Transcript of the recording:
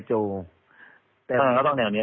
เพราะว่าตอนแรกมีการพูดถึงนิติกรคือฝ่ายกฎหมาย